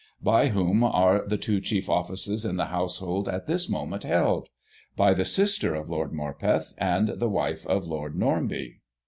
By whom are the two chief offices in the household at this moment held ? By the sister of Lord Morpeth, and the wife of Lord Normanby.